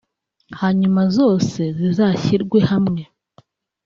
hanyuma zose zizashyirwe hamwe